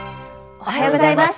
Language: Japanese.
おはようございます。